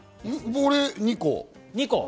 俺は２個。